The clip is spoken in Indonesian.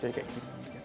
jadi kayak gitu